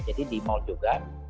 jadi di mal juga